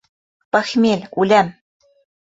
Похмель, үләм!..